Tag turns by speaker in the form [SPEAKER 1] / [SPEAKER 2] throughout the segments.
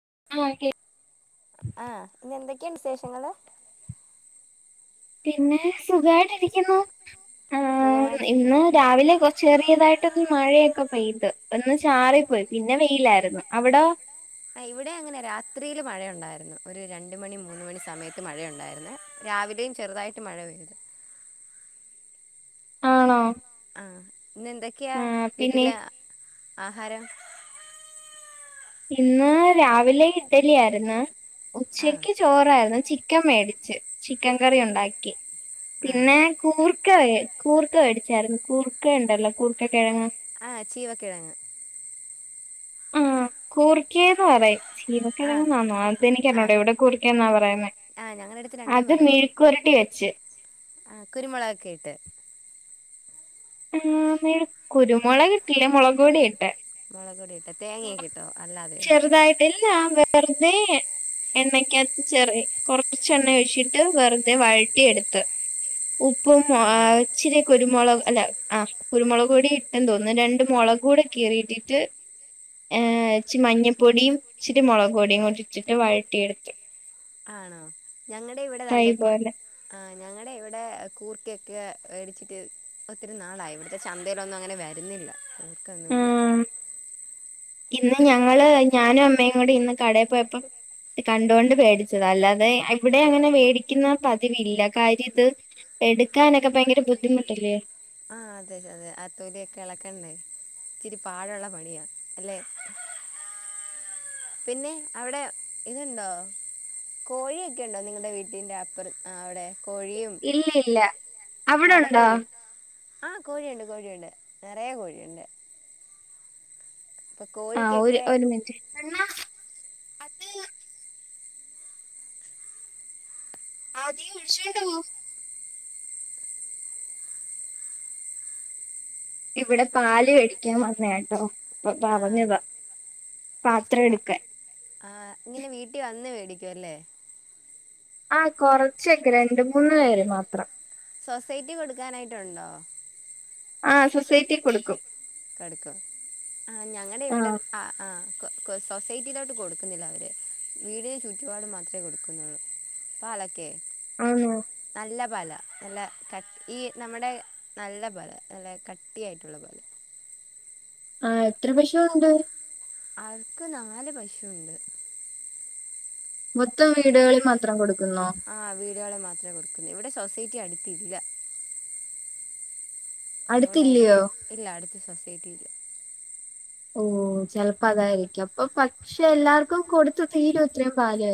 [SPEAKER 1] [unintelligible]
[SPEAKER 2] ആ പിന്നെന്തൊക്കെയാ വിശേഷങ്ങള്
[SPEAKER 1] പിന്നെ സുഖായിട്ട് ഇരിക്കുന്നു ആ ഇന്ന് രാവിലെ കൊറച്ച് ചെറിയതായിട്ടൊന്ന് മഴയൊക്കെ പെയിത് ഒന്ന് ചാറി പോയി പിന്നെ വെയിലായിരുന്നു അവിടോ
[SPEAKER 2] ആ ഇവിടെ അങ്ങനെ രാത്രിയില് മഴയുണ്ടായിരുന്നു ഒരു രണ്ട് മണി മൂന്ന് മണി സമയത്ത് മഴയുണ്ടായിരുന്നേ രാവിലെയും ചെറുതായിട്ട് മഴ പെയ്തു
[SPEAKER 1] ആണോ
[SPEAKER 2] ആ ഇന്നെന്തൊക്കെയാ വീട്ടിൽ ആഹാരം
[SPEAKER 1] ഇന്ന് രാവിലെ ഇഡലിയായിരുന്നു ഉച്ചക്ക് ചോറായിരുന്നു ചി ക്കൻ മേടിച്ച് ചിക്കൻ കറി ഉണ്ടാക്കി പിന്നെ കൂർക്ക കൂർക്ക മേടിച്ചായിരുന്നു കൂർക്ക ഉണ്ടല്ലോ കൂർക്ക കിഴങ്ങ്
[SPEAKER 2] ആ ചീവ കിഴങ്ങ്
[SPEAKER 1] ആ കൂർക്കയെന്നും പറയും ചീവക്കിഴങ്ങ്ന്നാന്നോ അത എനിക്കറിഞ്ഞൂട ഇവിടെ കുർക്ക എന്നാ പറയുന്നേ അത് മിഴുക്കുപുരട്ടി വെച്ച് ആമ്മേ കുരുമുളകിട്ടില്ല മുളക്ട്ടിട്ടെ
[SPEAKER 2] മുളക് പൊടി ഇട്ടോ തേങ്ങയൊക്കിട്ടോ അല്ലാതെയോ
[SPEAKER 1] വെറുതെ എണ്ണക്കകത്ത് ചെറിയ കൊറച്ച് എണ്ണ ഒഴിച്ചിട്ട് വെറുതെ വഴട്ടി എടുത്ത് ഉപ്പും ഇച്ചിരികുരുമുളക് അല്ല ആ കുരുമുളക് കൂടി ഇട്ടെന്ന് തോന്നുന്നു രണ്ട് മുളക് കൂടെകീറിട്ടിട്ട് ഏ ഇച്ചിരി മഞ്ഞപ്പൊടിയും ഇച്ചിരി മുളക് പൊടിയും കൂട്ടി ഇിട്ടിട്ട് വഴട്ടിയെടുക്കും
[SPEAKER 2] ആണോ ഞങ്ങളടെ ഇവിടെ താണ്ട ഇപ്പം ആ ഞങ്ങളടെ ഇവിടെ കൂർക്കയൊക്കെ വേടിച്ചിട്ട് ഒത്തിരി നാളായി ഇവിടത്തെ ചന്തയിലൊന്നും അങ്ങനെ വരുന്നില്ല അവർക്കൊന്നുല്ല
[SPEAKER 1] ഇന്ന് ഞങ്ങള് ഞാനും അമ്മയും കൂടെ ഇന്ന് കടേ പോയപ്പോ കണ്ടുകൊണ്ട് വേടിച്ചതാ അല്ലാതെ ഇവിടെ അങ്ങനെ മേടിക്കുന്ന പതിവില്ല കാര്യം ഇത് എടുക്കാനൊക്കെ ഭയങ്കര ബുദ്ധിമുട്ടല്ലേ
[SPEAKER 2] ആ അതെ അതെ ആ തൊലിയൊക്കെ ഇളക്കണ്ടേ ഇച്ചിരി പാടുള്ള പണിയാ അല്ലെ പിന്നെ അവിടെ ഇതുണ്ടോ കോഴിയൊക്കെ ഉണ്ടോ നിങ്ങളടെ വീട്ടിന്റെ അപ്പുറം ആ അവിടെ
[SPEAKER 1] ഇല്ല ഇല്ല അവിടെണ്ടോ
[SPEAKER 2] ആ കോഴിയുണ്ട് കോഴിയുണ്ട് നിറയെ കോഴിയുണ്ട്
[SPEAKER 1] ആ ഒരു ഒരു മിനിറ്റ് അത് ആദി വിളിച്ചോണ്ട്പോ ഇവിടെ പാല് വേടിക്കാൻ വന്നയാട്ടോ ഇപ്പ പറഞ്ഞതാ പാത്രെടക്കാൻ
[SPEAKER 2] ഇങ്ങനെ വീട്ടിവന്ന്മേടിക്കും ക്കവല്ലെ
[SPEAKER 1] ആഹ് കൊറച്ചൊക്കെ രണ്ട് മൂന്ന് പേര് മാത്രം
[SPEAKER 2] സൊസൈറ്റി കൊടുക്കാനായിട്ടൊണ്ടോ
[SPEAKER 1] ആഹ് സൊസൈറ്റി കൊടുക്കും
[SPEAKER 2] കടക്കോ ആഹ് ഞങ്ങളുടെ ഇവിടെ ആഹ് ആഹ് കൊ സൊസൈറ്റിലോട്ട് കൊടുക്കുന്നില്ലവര് വീടിന് ചുറ്റുപാട് മാത്രെ കൊടുക്കുന്നുള്ളൂ പാലൊക്കെ നല്ല പാലാ നല്ല കട്ട് ഈ നമ്മുടെ നല്ല പാലാ നല്ല കട്ടിയായിട്ടുള്ള പാല്
[SPEAKER 1] ആഹ് എത്ര പശുവൊണ്ട്
[SPEAKER 2] അവർക്ക് നാല് പശൂണ്ട്
[SPEAKER 1] മൊത്തം വീടുകളി മാത്രം കൊടുക്
[SPEAKER 2] ആഹ് വീടുകളിൽ മാത്രേ കൊടുക്കുന്നു. ഇവിടെ സൊസൈറ്റി ക്ക അടുത്തില്ല അതുകൊണ്ടാരിക്കും ഇല്ല അടുത്ത്- സൊസൈറ്റീല്
[SPEAKER 1] ഓ ചെലപ്പ അതാരിക്കും അപ്പൊ പക്ഷെ എല്ലാർക്കും കൊടുത്ത് തീരോ ഇത്രേം പാല്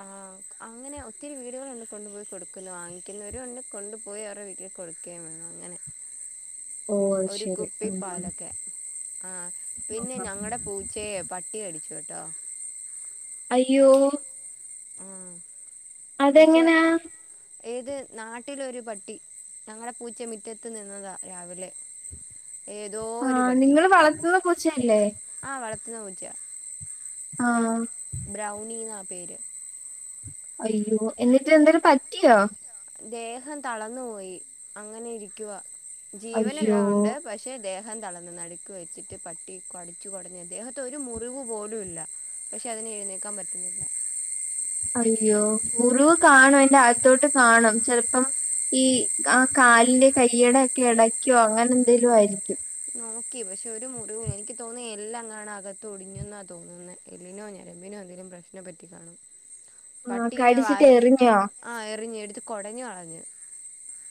[SPEAKER 2] ആഹ് അങ്ങനെ ഒത്തിരി വീടുകള്ണ്ട് കൊണ്ടുപോയി കൊടുക്കുന്നു വാങ്ങിക്കുന്നവരുണ്ട് കൊണ്ടുപോയി അവർടെ വീട്ടില് കൊടുക്കേം വേണം അങ്ങനെ ഒരു കുപ്പി പാലൊക്കെ ആഹ് പിന്നെ ഞങ്ങടെ പൂച്ചയെ പട്ടികടിച്ചു ച്ചൂട്ടോ
[SPEAKER 1] അയ്യോ
[SPEAKER 2] ആഹ്
[SPEAKER 1] അതെങ്ങനാ
[SPEAKER 2] ഏത് നാട്ടിലൊരുപട്ടി ഞങ്ങടെ പൂച്ച മിറ്റത്ത് നിന്നതാ രാവിലെ
[SPEAKER 1] ആഹ് നിങ്ങള് വളത്തുന്ന പൂച്ചയല്ലേ
[SPEAKER 2] ആഹ് വളത്തുന്ന പൂച്ചയാ
[SPEAKER 1] ആഹ്
[SPEAKER 2] ബ്രൗണീന്നാ പേര്
[SPEAKER 1] അയ്യോ എന്നിട്ട് എന്തേലും പറ്റിയോ
[SPEAKER 2] ദേഹം തളന്നുപോയി അങ്ങനെ ഇരിക്കുവാ ജീവനെല്ലാവൊണ്ട് പക്ഷെ ദേഹ ദേഹം തളന്നു നടുക്ക് വെച്ചിട്ട് പട്ടി കടിച്ചു കൊടഞ്ഞ് ദേഹത്തൊരു മുറിവുപോലു ഇല്ല പക്ഷെ അതിന് എഴുന്നേക്കാൻ പറ്റുന്നില്ല
[SPEAKER 1] അയ്യോ ഉറു കാണും അയിന്റെ അകത്തോട്ട് കാണും ചെലപ്പം ഈ ആ കാലിന്റെ കയ്യടെക്കെ എടയ്ക്കോ അങ്ങനെ എന്തേലുവാരിക്കും
[SPEAKER 2] നോക്കി പക്ഷെ ഒരു മുറിവു എനിക്ക് തോന്നു എല്ലങ്ങാനകത്ത് ഒടിഞ്ഞന്നാ തോന്നുന്നെ എല്ലിനോ ഞരമ്പിനോ എന്തേലും പ്രശ്നംപറ്റി കാണും പട്ടിങ്ങനെ വായ് ആ എറിഞ്ഞ് എടുത്ത് കൊടഞ്ഞ് കളഞ്ഞ്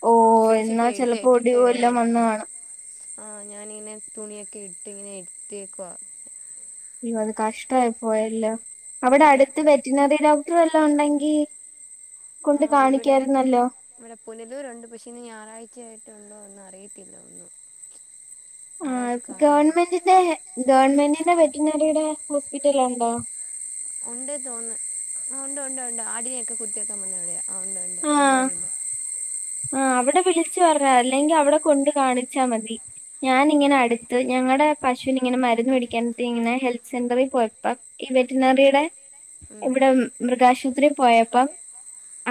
[SPEAKER 1] ഓ എന്നാ ചെലപ്പോ ഒടിവ് വല്ലോം വന്ന് കാണും
[SPEAKER 2] ആഹ് ഞാനിങ്ങനെ തുണിയൊക്കെ ഇട്ട് ഇങ്ങനെ ഇര്ത്തിയേക്കുവാ
[SPEAKER 1] അയ്യോ അത് കഷ്ടായി പോയല്ലോ അവിടെ അടുത്ത് വെറ്റിനറി ഡോക് റ്റ് വല്ല ഉണ്ടെങ്കി
[SPEAKER 2] ആ ഇവിടെ, ഇവിടെ പുനലൂരുണ്ട്. പക്ഷെ ഇന്ന് ഞായറാഴ്ചയായി ഇണ്ടോ ഒന്നും അറിയത്തില്ല ഒന്നും
[SPEAKER 1] ആഹ് ഗവൺമെന്റിന്റെ ഗവൺമെന്റി- ൻ്റെ വെറ്റിനറിയുടെ ഹോസ്പിറ്റലൊണ്ടോ?
[SPEAKER 2] ഉണ്ട് തോന്ന് ആ ഒണ്ടൊണ്ട് ണ്ട് ആടിനൊക്കെ കുത്തിയെക്കാൻ വന്ന ഇവിടെയ- ആഹ് ഒണ്ട് ഒത്തിരിപേരൊണ്ട്-
[SPEAKER 1] ആഹ് അവിടെ വിളിച്ചു പറഞ്ഞ അല്ലെങ്കി അവിടെ കൊണ്ട് കാണിച്ചാ മതി- ഞാനിങ്ങനെ അടുത്ത് ഞങ്ങടെ- പശുവിന് ഇങ്ങനെ മരുന്ന് വേടിക്കാനായിട്ടിങ്ങനെ ഹെൽത്ത് സെന്ററിൽ പോയപ്പ ഈ വെറ്റിനറീടെ- ഇവിടം മൃഗാശൂത്രി- പോയപ്പം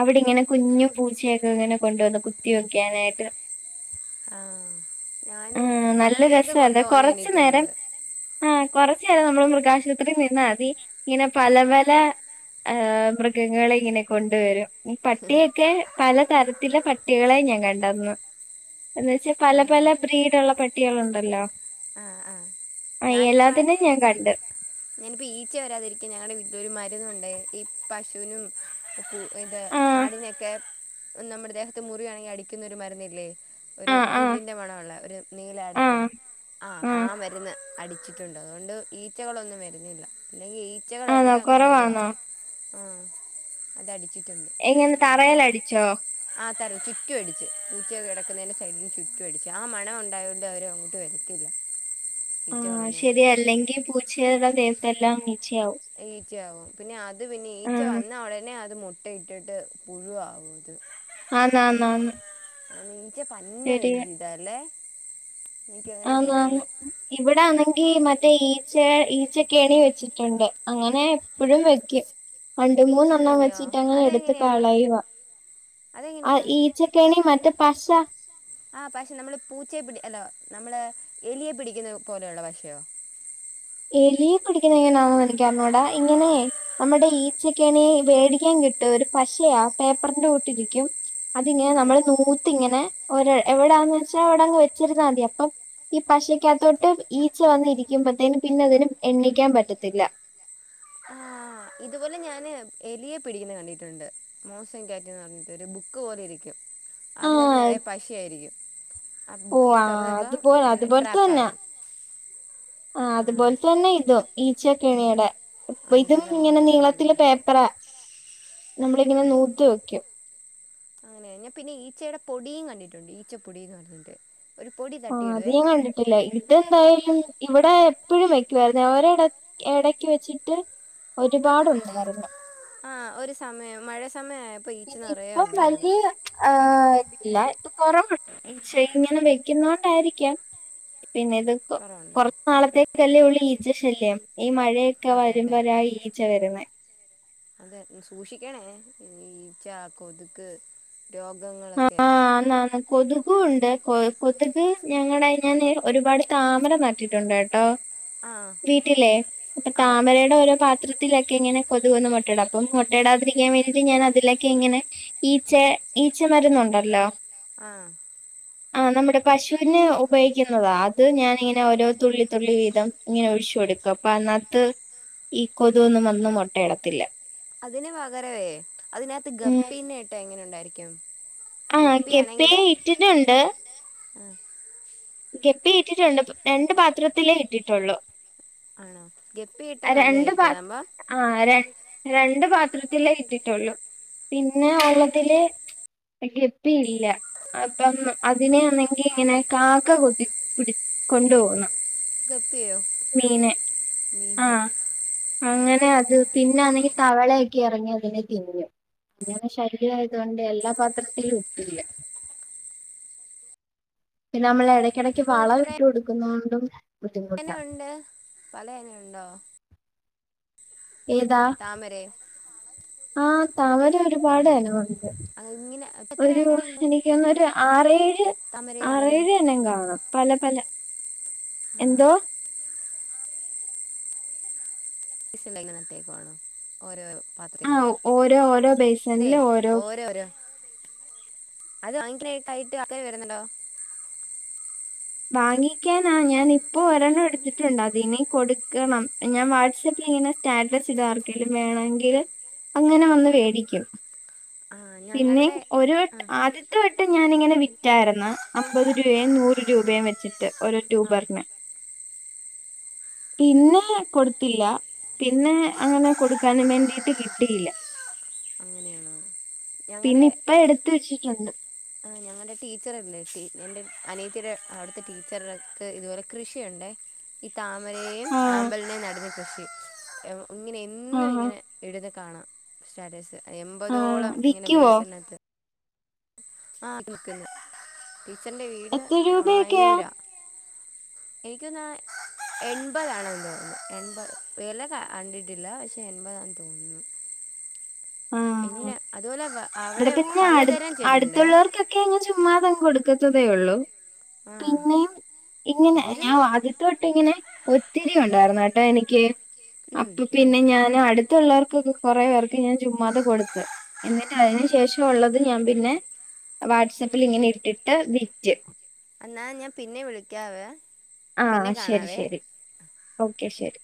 [SPEAKER 1] അവിടിങ് ങ്ങനെ കുഞ്ഞ് പൂച്ചയെക്കെ ഇങ്ങനെ കൊണ്ടുവന്ന് കുത്തി വെക്കാനായിട്ട്-
[SPEAKER 2] ആഹ് ഞാന് പട്ടിയൊക്കെ കൊണ്ടോന്ന കണ്ടിട്ടുണ്ട്-
[SPEAKER 1] കൊറച്ച് നേരം നമ്മൾ മൃഗാശുത്രി നിന്നാതി ഇങ്ങനെ പല പല ആഹ് മൃഗങ്ങള ഇങ്ങനെ കൊണ്ട് വരും- പട്ടിയെക്കെ പലതരത് ത്തിലെ പട്ടികളേ ഞാൻ കണ്ടന്ന്- എന്ന് വെച്ച് പല പല ബ്രീഡുള്ള പട്ട് കുട്ടികളുണ്ടല്ലോ
[SPEAKER 2] ആഹ് ആഹ് ഞാനിപ്പ ഞാനിപ്പോ ഈച്ച വരാതിരിക്കാൻ ഞങ്ങടെ വീട്ടിലൊരു മരുന്ന് കൊണ്ടേ ഈ പശുവിനും [unintelligible] ഇത് ആടിനെയെക്കെ നമ്മുടെ ദേഹത്ത് മുറിയാണെങ്കി അടിക്കുന്ന ഒരു മരുന്നില്ലേ ഒരു പുല്ലിന്റെ മണവൊള്ള ഒരു നീല അടപ്പുള്ള ആഹ് ആ മരുന്ന് അടിച്ചിട്ടുണ്ട് അതുകൊണ്ട് ഈച്ചകളൊന്നും വരുന്നില്ല അല്ലെങ്കിൽ ഈച്ചകളെല്ലാം അങ്ങ് വരുവാ ആഹ് അത് അടി
[SPEAKER 1] എങ്ങനെ തറേലടിച്ചോ
[SPEAKER 2] ചുറ്റു അടിച്ച് പൂച്ചയൊക്ക കെടക്കുന്നേന്റെ സൈഡിന് ചുറ്റു അടിച്ച് ആ മണ ഒണ്ടായത് കൊണ്ട് അവര് അങ്ങ് ട്ട് വരത്തില്ല
[SPEAKER 1] ആഹ് ശരിയാ അല്ലെങ്കി പൂച്ച് ച്ചേയുടെ ദേഹത്തെല്ലാം ഈ
[SPEAKER 2] ഈച്ചയാവും പിന്നെ അത് പിന്നെ ഈച്ച വന്ന ഒടനെ അത് മുട്ട് മുട്ട ഇട്ടിട്ട് പുഴു ആകും അത്
[SPEAKER 1] ആന്നാന്ന് ആന്ന്
[SPEAKER 2] [unintelligible] [unintelligible] പന്ന ഒരു ജിതാല്ലേ?
[SPEAKER 1] ആന്നാന്ന്. ഇവിടാന്നെ ഈ മറ്റേ ഈച്ച ഈച്ചക്കെണി വെച്ചിട്ടുണ്ട് അങ്ങനെ എപ്പോഴും വെക്കും രണ്ട് മൂന്നെണ്ണം വെച്ചിട്ട് അങ്ങ് എടുത്ത് കളായുവാ ആ ഈച്ചക്കെണിയും മറ്റ പശ-
[SPEAKER 2] ആ പശ നമ്മള് പൂച്ചയെ പിടി അല്ല നമ്മള് എലിയെ പിടിക്കുന്നത് പോലെയുള്ള പശയോ?
[SPEAKER 1] എലിയ പിടിക്കുന്ന എങ്ങനാന്ന്എനിക്കറിഞ്ഞൂടാ ഇങ്ങനെ നമ്മുടെ ഈച്ചക്കെണി വേടിക്കാൻ കിട്ടും ഒരു പശയാ പേപ്പറിന്റെ കൂട്ടിരിക്കും- അതിങ്ങനെനമ്മള് നൂ ഇങ്ങനെ എവിടാന്ന് വെച്ചാൽ അവിടങ്ങ് വച്ചിരുന്നാൽ മതി അപ്പം ഈ പശക്കകത്തോട്ട് ഈച്ച വന്നിരിക്കുമ്പത്തേനും- പിന്നതിനും എണ്ണിക്കാൻ പറ്റത്തില്ല
[SPEAKER 2] ഇതുപോലെ ഞാന് എലിയെ പിടിക്കുന്നത് കണ്ടിട്ടുണ്ട് മോഷൻ ക്യാറ്റ് ന്ന് പറഞ്ഞിട്ട് ഒരു ബുക്ക് പോലെ ഇരിക്കും- അതിനകത്ത് നിറയ പശ ആയിരിക്കും ആ ബുക്കിങ്ങിനെ തുറന്ന വെക്ക ഇങ്ങനെ ട്രാപ്പ ആകും ആഹ-
[SPEAKER 1] ഈച്ചക്കെണിയടെ- ഇപ്പ ഇതും ഇങ്ങനെ നീളത്തില് പേപ്പറ നമ്മളിങ്ങനെ നൂത് വെക്കും-
[SPEAKER 2] അങ്ങനെ ഞാൻ പിന്നെ ഈച്ചയുടെ പൊടിയും കണ്ടിട്ടുണ്ട് ഈച്ച പൊടിയന്ന് പറഞ്ഞിട്ട്-
[SPEAKER 1] ആ അത് ഞാൻ കണ്ടിട്ടില്ല ഇതെന്തായാലും- ഇവിടെ എപ്പോഴും വയ്ക്കുമായിരുന്നു ഒരട എടക്ക് വെച്ചിട്ട് ഒരുപാടുണ്ടായിരുന്നു-
[SPEAKER 2] ആ ഒരു സമയം മഴ-
[SPEAKER 1] ഇപ്പം വലിയ- ആ ഇല്ല ഇപ്പ കൊറവുണ്ട് പക്ഷെ ഇങ്ങനെ വെക്കുന്ന കൊണ്ടായിരിക്കാം- പിന്നെ ഇത് കുറച്ച് നാളത്തേക്ക്ല്ലളി- ഈച്ച ശല്യം- ഈ മഴയൊക്കെ വരുമ്പോഴ ഈച്ച വരുന്നേ-
[SPEAKER 2] ഈ ച കൊതുക്-
[SPEAKER 1] ആആന്നാന് കൊതുകും ഉണ്ട്- കൊ കൊത്ക് ഞങ്ങളുടെ ഞാന് ഒരുപാട് താമര നട്ടിട്ടുണ്ട് കേട്ടോ- വീട്ടിലേ അപ്പ താമരയുടെ ഓരോ പാത്ര- ലൊക്കെ ഇങ്ങനെ കൊത് വന്ന് മൊട്ടടാം അപ്പം മുട്ടയിടാതിരിക്കുകൻ വേണ്ടിയിട്ട് ഞാൻ അതിലൊക്കെ ഇങ്ങനെ ഈച്ചയേ ഈ ച്ച മരുന്നുണ്ടല്ലോ?
[SPEAKER 2] ആ
[SPEAKER 1] ആ നമ്മുടെ പശുവിന് ഉപയോഗിക്കുന്നതാ അത് ഞാനിങ്ങനെ ഓരോ തുള്ളി തുള്ളി വീതം ഇങ്ങനെ ഒഴിച്ചു കൊടുക്കും അപ്പൊ അന്നകത്ത് ഈ കൊതുകൊന്നും വന്ന് മൊട്ടയിടത്തില്ല-
[SPEAKER 2] അതിന് പകരവെ അതിനകത്ത് ഗപ്പീന്നായിട്ടഎങ്ങനെ ഏരിക്കും
[SPEAKER 1] ആഹ് കെപ്പെ ഇറ്റിട്ടുണ്ട്.
[SPEAKER 2] ആ
[SPEAKER 1] ഗപ്പി ഇട്ടിട്ടുണ്ട് രണ്ട് പാത്രത്തിലേ ഇട്ടിട്ടൊള്ളു.
[SPEAKER 2] ആണോ ഗപ്പിയിട്ടാ നല്ലതായിരിക്കൊതാപോ
[SPEAKER 1] രണ്ട് പാത്രത്തിലേ ഇട്ടിട്ടുള്ളൂ. പിന്നെ വെള്ളത്തില് ഗപ്പി ഇല്ല. അപ്പം അതിനെണെങ്കി ഇങ്ങനെ കാ അക്ക കുത്തിപിടി കൊണ്ടുവോണം
[SPEAKER 2] ഗപ്പയോ മീ
[SPEAKER 1] അങ്ങനെ അത് പിന്നൊആണെങ്കി തവളയെക്കെ ഇറങ്ങി അതിനെ തിന്നും അങ്ങനെ ശല്യയതൊണ്ട് എല്ലാ പാത്രത്തിലും ഇട്ടില്ല പിന്നെ നമ്മളെ ഇട എടക്ക്ടക്ക് വള വിട്ടു കൊടുക്കുന്നോ ടുംനാ
[SPEAKER 2] എങ്ങനുണ്ട് പലേനുണ്ടോ?
[SPEAKER 1] ഏതാ ആഹ താമര ഒരുപാട് ഇനമുണ്ട് ഒരു എനിക്ക് തോന്ന ഒരു ആറേഴ് ആറേഴ് ഇനം കാണണം പല പല എന്തോ?
[SPEAKER 2] ഇണ്ടെങ്ക നട്ടേക്കവാണോ ഓരോ
[SPEAKER 1] ആഹ് ഓരോ ഓരോ ബേസണില് ഓരോ
[SPEAKER 2] അത് വാക്കായിട്ടായിട്ട് അതേ വരുന്നുണ്ടോ?
[SPEAKER 1] വാങ്ങിക്കാനാ ഞാൻ ഇപ്പോ ഒരെണ്ണം എടുത്തിട്ടുണ്ട് അതിനി കൊടുക്കണം ഞാൻ വാട്സആപ്പിൽ ഇങ്ങനെ സ്റ്റാറ്റസ് ഇടാർക്കങ്കിലും വേണങ്കിൽ അങ്ങനെ വന്ന് വേടിക്കും പിന്നെ ഒരു വട്ട് ആദ്യത്തെ വട്ട് ഞാനിങ്ങനെ വിക് റ്റായിുന്ന അമ്പത് രൂവയും നൂറ് രൂപയും വെച്ചിട്ട് ഒരു ട്യൂബറിന് പിന്നെ കൊടുത്തില്ല പിന്നെ അങ്ങനെ കൊടുക്കാനും വേണ്ടിയിട്ട് കിട്ടിയില്ല പിന്നെ ഇപ്പ എടുത് വെച്ചി ഉണ്ട്
[SPEAKER 2] ആ ഞങ്ങളുടെ ടീച്ചർല്ലേ ട്ടി എന്റെ അനിയത്തിയുടെ അവിടുത്തെ ടീച്ചർക്ക് ഇതുപോലെ കൃഷിയുണ്ടേ ഈ താമ് ഒരെയും ആമ്പലിനെയും നടന്ന് കൃഷി എവ് ഇങ്ങനെ എന്നും ഇങ്ങനെ ഇഴുതടേ കാണാം സ്റ്റാറ്റസ് എൺപതോളം ഇങ്ങനെ വെയസനത്ത്. [unintelligible] ടീച്ചന്റെ വീട് ആയൂര എനിക്കന്നാ എൺപതാണെന്ന് തോന്നുന്നു എൺപത് വില കണ്ടിട്ടില്ല പക്ഷെ എൺപതാണെന്ന് തോന്നുന്നു
[SPEAKER 1] ആഹ ഇവിടെ പിന്നെ അടു അടുത്തുള്ളവർക്കൊക്കെ അങ്ങ് ചുമ്മാ അങ് കൊടുക്കും കത്തതേ ഉള്ളൂ [unintelligible] പിന്നെയും ഇങ്ങനെ ഞാൻ ആദ്യത്തെ വെട്ടം ഇ ങ്ങനെ ഒത്തിരി ഉണ്ടായിരുന്നു ട്ടോ എനിക്ക് അപ്പൊ പിന്നെ ഞാൻ അടുത്തുള്ളവർക്ക് ക്ക് കുറേ പേർക്ക് ഞാൻ ചുമ്മാതെ കൊടുത്ത് എന്നിട്ട് അതിന് ശേഷം ഉള്ളത് ഞാൻ പിന്നെ വാട്സപ്പിൽ ഇങ്ങനെ ഇട്ടിട്ട് വിറ്റ്
[SPEAKER 2] എന്നാ ഞാൻ പിന്നെ വിളിക്കാവേ
[SPEAKER 1] ആഹ ശരി ശരി ഓക്കെ ശരി